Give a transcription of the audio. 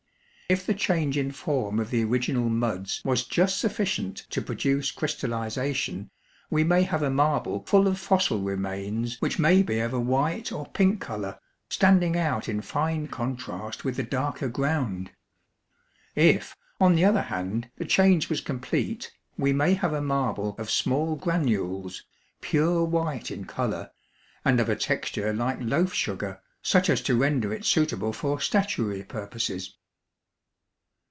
If the change in form of the original muds was just sufficient to produce crystallization, we may have a marble full of fossil remains which may be of a white or pink color, standing out in fine contrast with the darker ground. If, on the other hand, the change was complete, we may have a marble of small granules, pure white in color, and of a texture like loaf sugar, such as to render it suitable for statuary purposes.